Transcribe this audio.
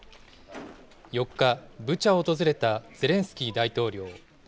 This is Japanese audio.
４日、ブチャを訪れたゼレンスキー大統領。